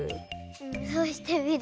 うんそうしてみる。